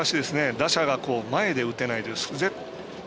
打者が前で打てないです。